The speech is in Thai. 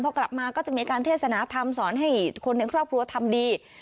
พอกลับมาก็จะมีการเทศนาธรรมสอนให้คนในครอบครัวทำดี